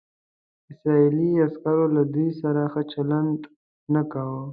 اسرائیلي عسکرو له دوی سره ښه چلند نه کاوه.